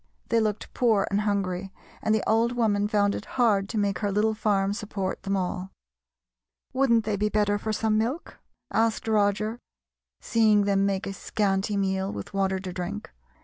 They looked poor and hungry, and the old woman found it hard to make her little farm support them all. "Wouldn't they be better for some milk?" asked Roger, seeing them make a scanty meal, with water to drink.